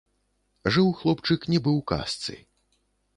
Жыў хлопчык нібы ў казцы.